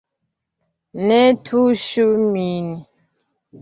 Ne tuŝu min.